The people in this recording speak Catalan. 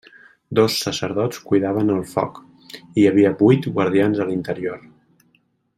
Dos sacerdots cuidaven el foc, i hi havia vuit guardians a l'interior.